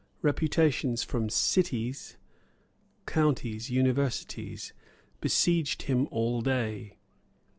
Reputations from cities, counties, universities, besieged him all day.